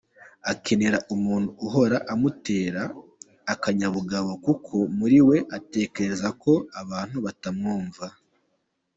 Akenera umuntu uhora umutera akanyabugabo kuko muri we atekereza ko abantu batamwumva.